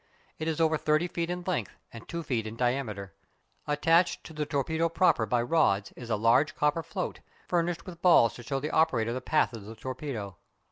It is over thirty feet in length and two feet in diameter. Attached to the torpedo proper by rods is a large copper float, furnished with balls to show the operator the path of the torpedo.